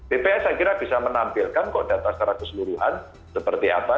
bps saya kira bisa menampilkan kok data secara keseluruhan seperti apa